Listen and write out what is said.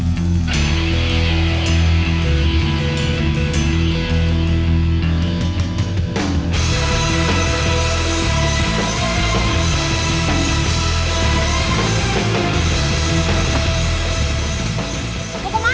tidak tak mau